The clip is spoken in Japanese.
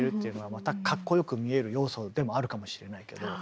またかっこよく見える要素でもあるかもしれないけど。